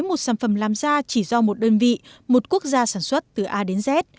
một sản phẩm làm ra chỉ do một đơn vị một quốc gia sản xuất từ a đến z